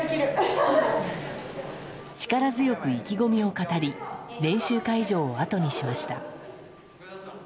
力強く意気込みを語り練習会場を後にしました。